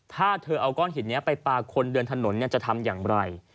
ถ้าเธอเอาก้อนหินนี้ไปปลาคนเดินถนนจะทำอย่างไร